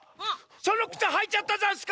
そのくつはいちゃったざんすか？